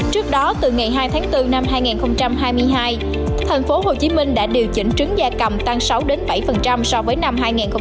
trước đó từ ngày hai tháng bốn năm hai nghìn hai mươi hai thành phố hồ chí minh đã điều chỉnh trứng gia cầm tăng sáu bảy so với năm hai nghìn hai mươi một